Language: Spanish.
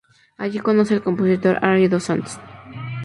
Allí conoce al compositor Ary dos Santos.